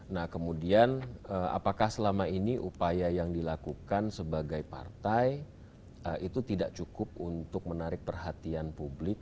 nah kemudian apakah selama ini upaya yang dilakukan sebagai partai itu tidak cukup untuk menarik perhatian publik